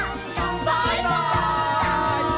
バイバイ！